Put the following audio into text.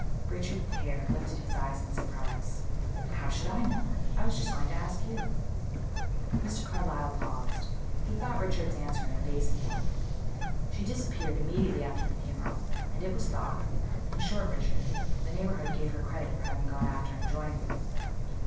Richard Hare lifted his eyes in surprise. "How should I know? I was just going to ask you." Mr. Carlyle paused. He thought Richard's answer an evasive one. "She disappeared immediately after the funeral; and it was thought in short, Richard, the neighborhood gave her credit for having gone after and joined you."